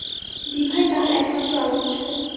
বিভাই তাঁহার একমাত্র আলোচ্য।